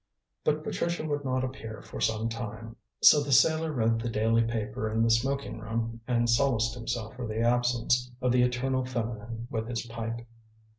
But Patricia would not appear for some time, so the sailor read the daily paper in the smoking room and solaced himself for the absence of the eternal feminine with his pipe.